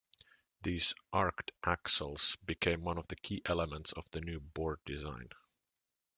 These "arced axles" became one of the key elements of the new board design.